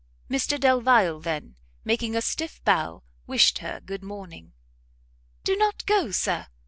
Mr Delvile then, making a stiff bow, wished her good morning. "Go not so, Sir!"